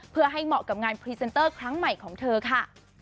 เพื่อให้เหมาะกับงานพรีเซนเตอร์ครั้งใหม่ของเธอค่ะ